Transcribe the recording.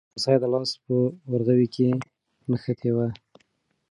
امسا یې د لاس په ورغوي کې نښتې وه.